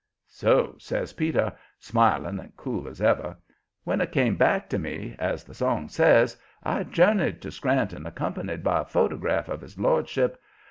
"So," says Peter, smiling and cool as ever, "when it all came back to me, as the song says, I journeyed to Scranton accompanied by a photograph of his lordship.